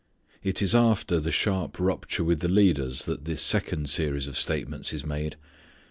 It is after the sharp rupture with the leaders that this second series of statements is made.